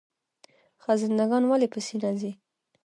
خزنده ګان ولې په سینه ځي؟